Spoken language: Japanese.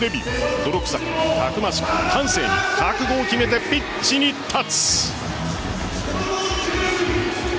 泥くさく、たくましく、端正に覚悟を決めてピッチに立つ。